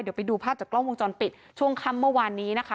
เดี๋ยวไปดูภาพจากกล้องวงจรปิดช่วงค่ำเมื่อวานนี้นะคะ